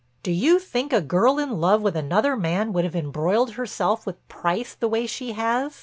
"Do you think a girl in love with another man would have embroiled herself with Price the way she has?"